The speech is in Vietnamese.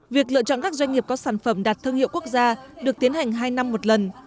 việc lựa chọn các doanh nghiệp có sản phẩm đạt thương hiệu quốc gia được tiến hành hai năm một lần